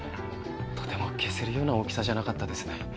とても消せるような大きさじゃなかったですね